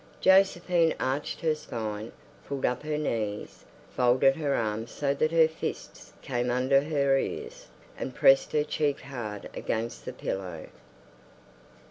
Josephine arched her spine, pulled up her knees, folded her arms so that her fists came under her ears, and pressed her cheek hard against the pillow.